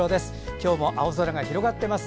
今日も青空が広がっています。